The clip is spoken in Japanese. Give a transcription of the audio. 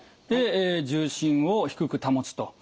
で重心を低く保つと。